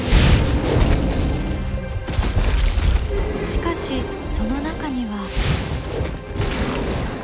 しかしその中には。